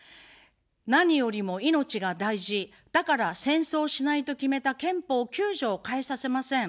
何よりも命が大事、だから戦争しないと決めた憲法９条を変えさせません。